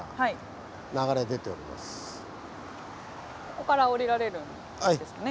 ここから下りられるんですね。